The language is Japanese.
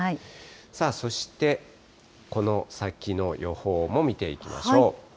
さあそして、この先の予報も見ていきましょう。